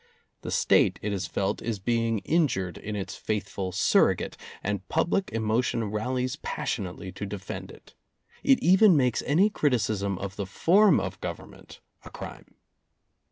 The State, it is felt, is being injured in its faithful surrogate, and public emotion rallies passionately to defend it. It even makes any criticism of the form of Government a crime.